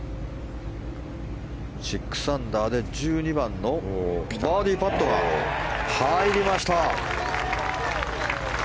６アンダーで１２番のバーディーパットが入りました！